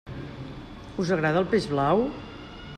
Us agrada el peix blau?